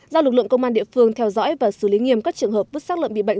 do lực lượng công an địa phương theo dõi và xử lý nghiêm các trường hợp vứt sát lợn bị bệnh